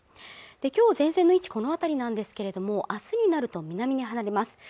今日前線の位置この辺りなんですけれども明日になると南に離れます